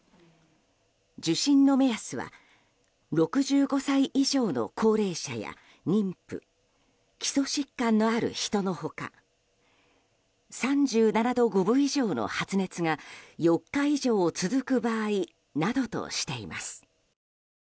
受診の目安は６５歳以上の高齢者や妊婦基礎疾患がある人の他３７度５分以上の発熱が４日以上続く場合などとしています。